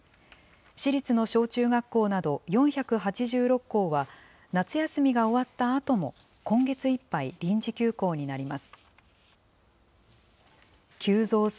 市立の小中学校など４８６校は、夏休みが終わったあとも、今月いっぱい臨時休校になります。